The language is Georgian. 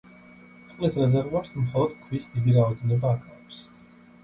წყლის რეზერვუარს მხოლოდ ქვის დიდი რაოდენობა აკავებს.